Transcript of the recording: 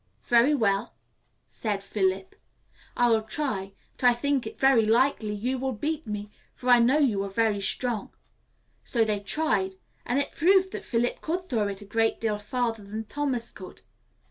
'Very well,' said Philip, 'I will try, but I think it very likely you will beat me, for I know you are very strong.' So they tried, and it proved that Philip could throw it a great deal farther than Thomas could.